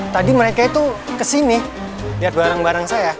tadi mereka itu kesini lihat barang barang saya